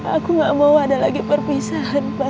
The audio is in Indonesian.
aku gak mau ada lagi perpisahan pak